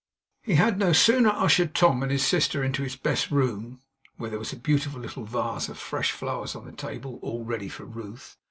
He had no sooner ushered Tom and his sister into his best room (where there was a beautiful little vase of fresh flowers on the table, all ready for Ruth.